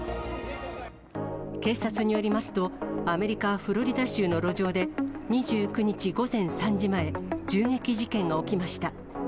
警察によりますと、アメリカ・フロリダ州の路上で、２９日午前３時前、銃撃事件が起きました。